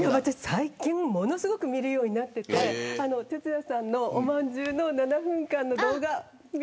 最近ものすごく見るようになっていててつやさんのおまんじゅうの７分間の動画。